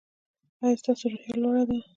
ایا ستاسو روحیه لوړه ده؟